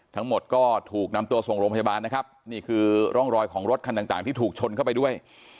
ทั้งหมดก็ถูกนำตัวส่งโรงพยาบาลนะครับนี่คือร่องรอยของรถคันต่างที่ถูกชนเข้าไปด้วย